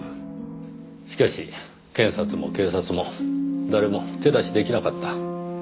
しかし検察も警察も誰も手出し出来なかった。